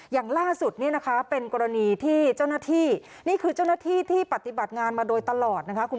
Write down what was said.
อย่างล่าสุดเนี่ยนะคะเป็นกรณีที่เจ้าหน้าที่นี่คือเจ้าหน้าที่ที่ปฏิบัติงานมาโดยตลอดนะคะ